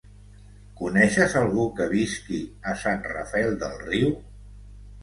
Coneixes algú que visqui a Sant Rafel del Riu?